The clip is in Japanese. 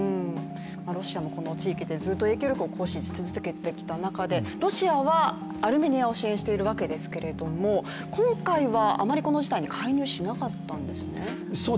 ロシアもこの地域でずっと影響力を誇示し続けてきた中でロシアはアルメニアを支援しているわけですけれども今回はあまりこの事態に介入しなかったんですね。